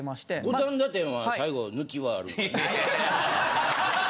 五反田店は最後ぬきはあるの？